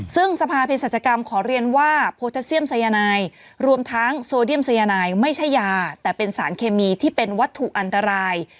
ซึ่งสภาเพศรัชกรรมขอเรียนว่าโพตาเซียมสัยนายรวมทั้งโซเดียมสัยนายไม่ใช่ยาแต่เป็นสารเคมีที่เป็นวัตถุอันตราย